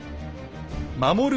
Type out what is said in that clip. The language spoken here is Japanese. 守る